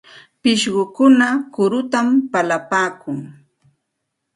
Pishqukuna kurutam palipaakun.